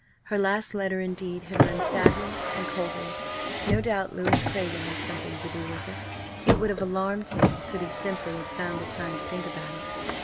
Her last letter indeed had rung sadly and coldly. No doubt Louis Craven had something to do with it. It would have alarmed him could he simply have found the time to think about it.